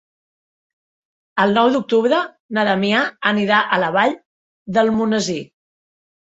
El nou d'octubre na Damià anirà a la Vall d'Almonesir.